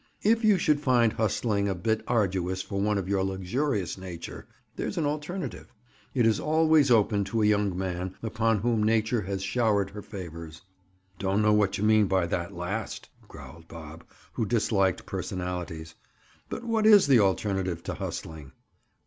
"If you should find hustling a bit arduous for one of your luxurious nature, there's an alternative. It is always open to a young man upon whom nature has showered her favors." "Don't know what you mean by that last," growled Bob, who disliked personalities. "But what is the alternative to hustling?"